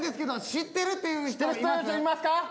知ってる人いますか？